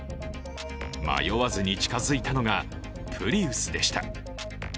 迷わずに近づいたのがプリウスでした。